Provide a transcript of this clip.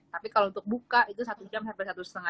tapi kalau untuk buka itu satu jam sampai satu lima jam